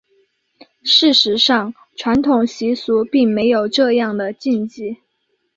事实上传统习俗并没有这样的禁忌。